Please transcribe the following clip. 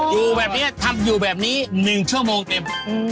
อยู่แบบนี้ทำอยู่แบบนี้๑ชั่วโมงเต็ม